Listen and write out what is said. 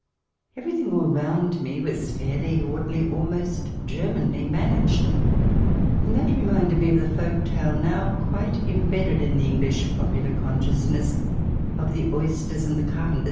i Everything all round me was fairly, orderly, almost Germanly managed ; and that reminded me of the folk tale now quite embedded in the English popular consciousness, of the "Oysters and the Carpenter."